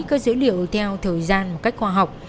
các dữ liệu theo thời gian một cách khoa học